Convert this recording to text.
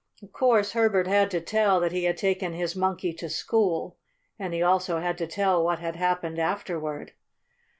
Of course Herbert had to tell that he had taken his Monkey to school, and he also had to tell what had happened afterward.